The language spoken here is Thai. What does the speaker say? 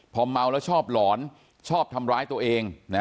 พอเมาแล้วชอบหลอนชอบทำร้ายตัวเอง